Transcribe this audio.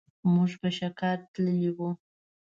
مونږ په چکرتللي وو.